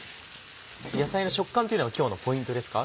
野菜の食感というのが今日のポイントですか？